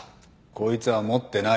「こいつは持ってない。